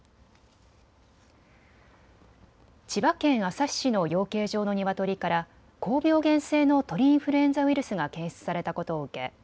千葉県旭市の養鶏場のニワトリから高病原性の鳥インフルエンザウイルスが検出されたことを受け